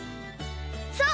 そう！